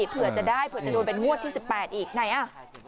เผื่อจะได้เผื่อจะโดนเป็นงวดที่๑๘อีกไหนอ่ะ